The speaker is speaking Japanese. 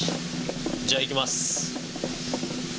じゃあいきます。